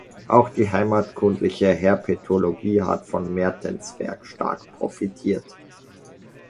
Auch die heimatkundliche Herpetologie hat von Mertens Werk stark profitiert.